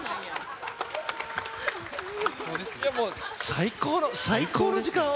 最高の、最高の時間を。